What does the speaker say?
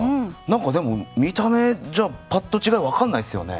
何かでも見た目じゃパッと違い分かんないですよね。